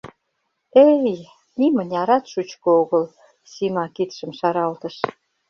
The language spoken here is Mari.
— Э-эй, нимынярат шучко огыл, — Сима кидшым шаралтыш.